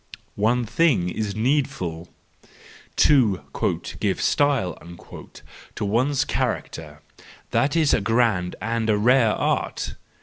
One Thing is Needful. —To "give style" to one's character—that is a grand and a rare art!